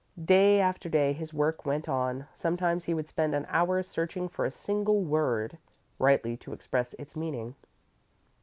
Day after day, his work went on. Sometimes he would spend an hour searching for a single word, rightly to express his meaning.